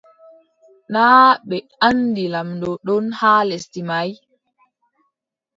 Naa ɓe anndi lamɗo ɗon haa lesdi may ?